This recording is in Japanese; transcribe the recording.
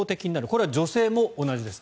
これは女性も同じです。